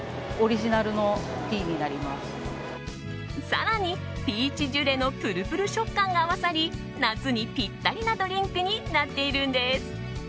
更に、ピーチジュレのプルプル食感が合わさり夏にぴったりなドリンクになっているんです。